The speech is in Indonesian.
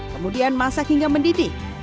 kemudian masak hingga mendidih